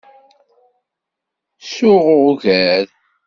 Suɣ ugar.